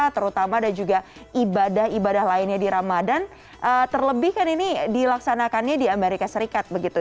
terutama dan juga ibadah ibadah lainnya di ramadan terlebih kan ini dilaksanakannya di amerika serikat begitu